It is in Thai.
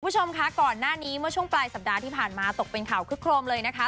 คุณผู้ชมคะก่อนหน้านี้เมื่อช่วงปลายสัปดาห์ที่ผ่านมาตกเป็นข่าวคึกโครมเลยนะคะ